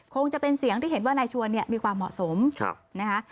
คงจะเป็นเสียงที่เห็นว่านายชวนเนี่ยมีความเหมาะสมนะคะ